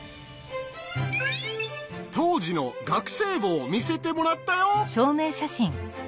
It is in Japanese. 当時の学生簿を見せてもらったよ。